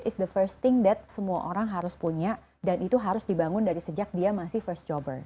so good money habit is the first thing that semua orang harus punya dan itu harus dibangun dari sejak dia masih first jobber